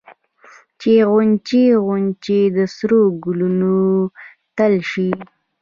چې غونچې غونچې د سرو ګلونو ټل شي